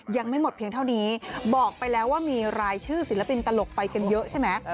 ยังไม่หมดเพียงเท่านี้บอกไปแล้วว่ามีรายชื่อศิลปินตลกไปกันเยอะใช่ไหม